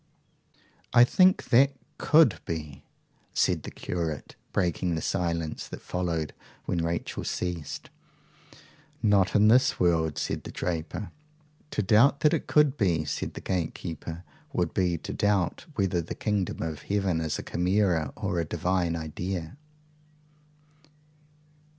'" "I think that COULD be!" said the curate, breaking the silence that followed when Rachel ceased. "Not in this world," said the draper. "To doubt that it COULD be," said the gatekeeper, "would be to doubt whether the kingdom of heaven is a chimera or a divine idea."